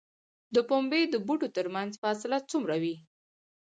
د پنبې د بوټو ترمنځ فاصله څومره وي؟